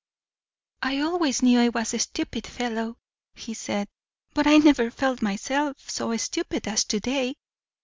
"I always knew I was a stupid fellow," he said; "but I never felt myself so stupid as to day!